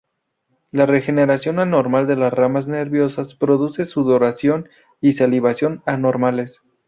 La regeneración anormal de las ramas nerviosas produce sudoración y salivación anormales.